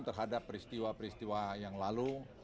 terhadap peristiwa peristiwa yang lalu